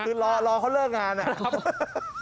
คือรอเขาเลิกงานเนี่ย